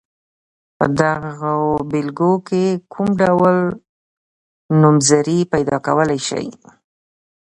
په دغو بېلګو کې کوم ډول نومځري پیداکولای شئ.